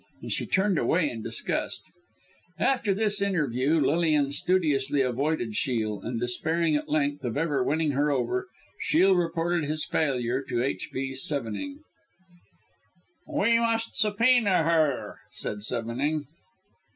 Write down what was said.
And she turned away in disgust. After this interview, Lilian studiously avoided Shiel; and despairing, at length, of ever winning her over, Shiel reported his failure to H.V. Sevenning. "We must subpoena her," said Sevenning.